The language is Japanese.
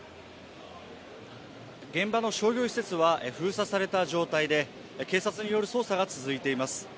現場の商業施設は封鎖された状態で警察による捜査が続いています。